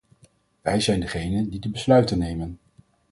Wij zijn degenen die de besluiten nemen.